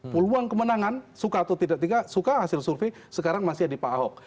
peluang kemenangan suka atau tidak suka hasil survei sekarang masih ada di pak ahok